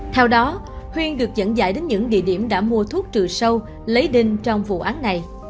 theo đó huyên được dẫn dải đến những địa điểm đã mua thuốc trừ sâu lấy đinh trong vụ án này